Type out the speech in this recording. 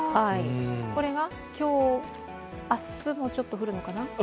これが今日、明日もちょっと降るのかな？